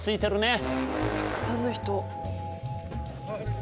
たくさんの人。